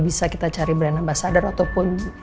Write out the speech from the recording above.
bisa kita cari brand ambasadar ataupun